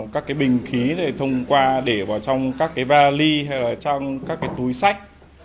các cái bình khí để thông qua để vào trong các cái vali hay là trong các cái túi sách